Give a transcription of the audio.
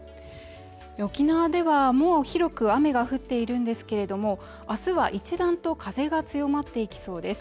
沖縄ではもう広く雨が降っているんですけれども、明日は一段と風が強まっていきそうです。